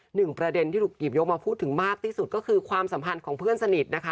หนึ่งประเด็นที่ถูกหยิบยกมาพูดถึงมากที่สุดก็คือความสัมพันธ์ของเพื่อนสนิทนะคะ